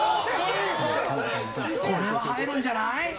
これは入るんじゃない？